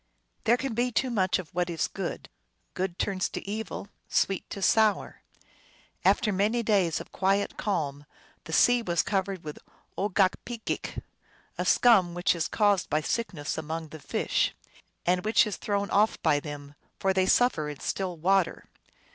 There can be too much of what is good ; good turns to evil, sweet to sour. After many days of quiet calm the sea was covered with Ogokpegeak, a scum which is caused by sickness amojjg the fish, and which is thrown off by them, for they suffer in still water.